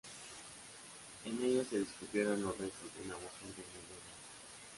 En ellos se descubrieron los restos de una mujer de mediana edad.